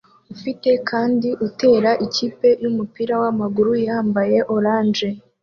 Ufite kandi utera ikipe yumupira wamaguru yambaye orange